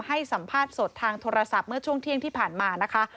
ให้สัมภาษณ์สดทางโทรศัพท์เมื่อช่วงเที่ยงที่ผ่านมานะคะ